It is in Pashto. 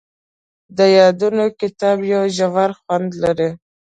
د یادونو کتاب یو ژور خوند لري.